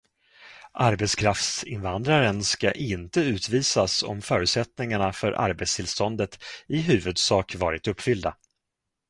Arbetskraftsinvandraren ska inte utvisas om förutsättningarna för arbetstillståndet i huvudsak varit uppfyllda.